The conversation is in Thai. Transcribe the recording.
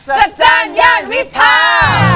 จจันยารวิภา